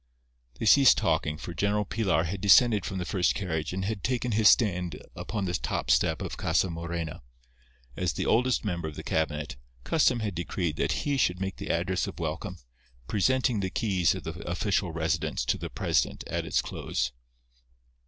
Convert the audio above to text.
They ceased talking, for General Pilar had descended from the first carriage and had taken his stand upon the top step of Casa Morena. As the oldest member of the cabinet, custom had decreed that he should make the address of welcome, presenting the keys of the official residence to the president at its close.